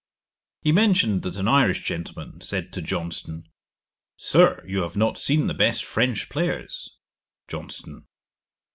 He mentioned, that an Irish gentleman said to Johnson, 'Sir, you have not seen the best French players.' JOHNSON.